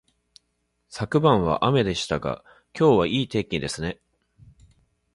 昨晩は雨でしたが、今日はいい天気ですね